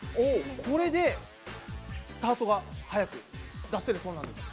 これでスタートが速く出せるそうなんです。